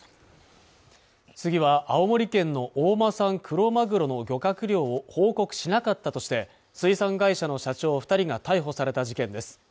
次は青森県の大間産クロマグロの漁獲量を報告しなかったとして水産会社の社長二人が逮捕された事件です